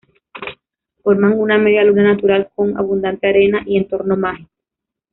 Forma una media luna natural con abundante arena y entorno mágico.